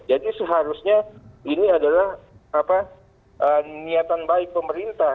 jadi seharusnya ini adalah apa niatan baik pemerintah